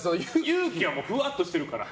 勇気は、ふわっとしてるから。